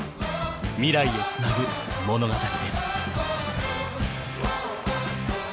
未来へつなぐ物語です。